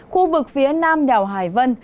khu vực phía nam đảo hải vân